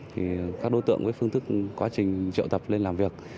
thì các đối tượng với phương thức quá trình triệu tập lên làm việc